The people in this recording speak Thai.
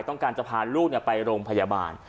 ต้องการจะพาลูกไปโรงพยาบาล